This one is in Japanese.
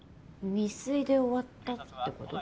未遂で終わったってこと？